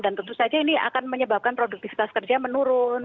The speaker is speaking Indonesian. dan tentu saja ini akan menyebabkan produktivitas kerja menurun